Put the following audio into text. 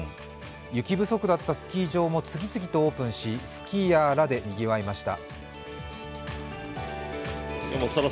雪不足だったスキー場も次々とオープンしスキーヤーらでにぎわいました。